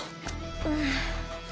うん。